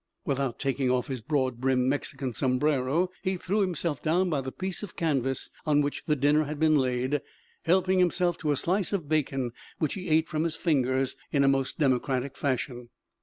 Without taking off his broad brimmed Mexican sombrero he threw himself down by the piece of canvas on which the dinner had been laid, helping himself to a slice of bacon which he ate from his fingers in a most democratic fashion.